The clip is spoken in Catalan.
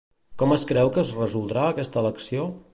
Com es creu que es resoldrà aquesta elecció?